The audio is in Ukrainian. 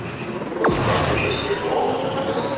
Ознаки частин мови